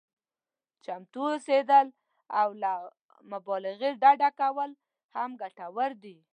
چمتو اوسېدل او له مبالغې ډډه کول هم ګټور دي.